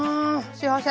幸せ。